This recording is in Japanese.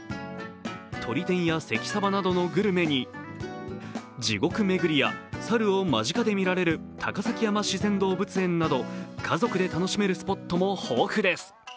とり天や関さばなどのグルメに地獄めぐりや猿を間近で見られる高崎山自然動物園など、家族で楽しめるスポットも豊富です。